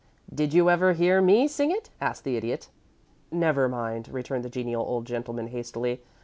"Did you ever hear me sing it?" asked the Idiot. "Never mind," returned the genial old gentleman, hastily.